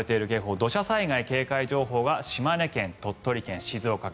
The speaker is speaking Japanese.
土砂災害警戒情報は島根県、鳥取県、静岡県。